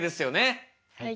はい。